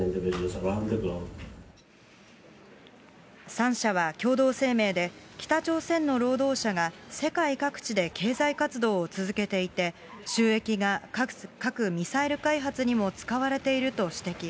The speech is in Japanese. ３者は共同声明で、北朝鮮の労働者が世界各地で経済活動を続けていて、収益が核・ミサイル開発にも使われていると指摘。